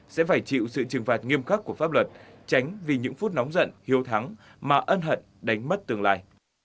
sẽ phải chịu sự trừng phạt nghiêm khắc của pháp luật tránh vì những phút nóng giận hiếu thắng mà ân hận đánh mất tương lai